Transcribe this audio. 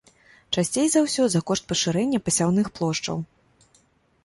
Часцей за ўсё, за кошт пашырэння пасяўных плошчаў.